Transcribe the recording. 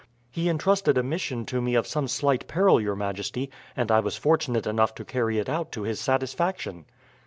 "He intrusted a mission to me of some slight peril, your majesty, and I was fortunate enough to carry it out to his satisfaction."